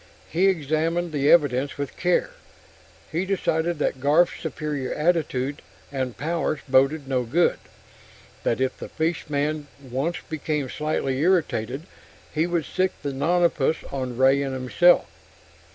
He examined the evidence with care. He decided that Garf's superior attitude and powers boded no good; that if the fishman once became slightly irritated he would sic the nonapus on Ray and himself.